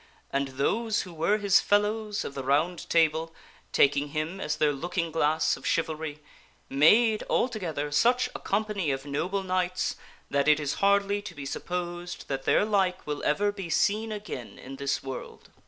And those who were his fellows of the Round Table taking him as their looking glass of chivalry made, altogether, such a company of noble knights that it ts 385 vi FOREWORD hardly to be supposed that their like will ever be seen again in this worlfl.